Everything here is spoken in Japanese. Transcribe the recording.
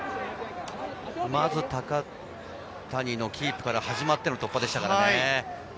高谷のキープから始まっての突破でしたね。